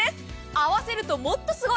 合わせるともっとすごい。